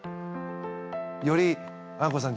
よりあいこさん